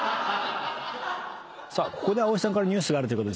さあここで葵さんからニュースがあるということですね。